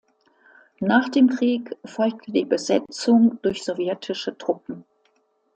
Nach dem Krieg folgte die Besetzung durch Sowjetische Truppen.